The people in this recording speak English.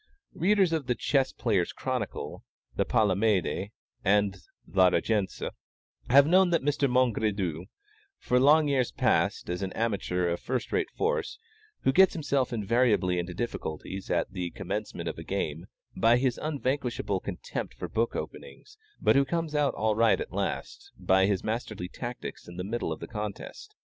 Readers of the Chess Players' Chronicle, of the Palamède, and La Régence, have known Mr. Mongredieu for long years past, as an amateur of first rate force, who gets himself invariably into difficulties at the commencement of a game, by his unvanquishable contempt for book openings, but who comes out all right at last, by his masterly tactics in the middle of the contest.